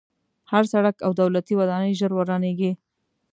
هر سړک او دولتي ودانۍ ژر ورانېږي.